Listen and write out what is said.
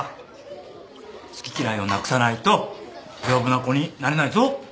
好き嫌いをなくさないと丈夫な子になれないぞ。